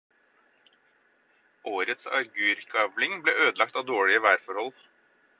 Årets agurkavling ble ødelagt av dårlige værforhold.